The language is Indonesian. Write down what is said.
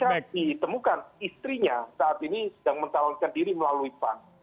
ketika ditemukan istrinya saat ini sedang mencalonkan diri melalui pan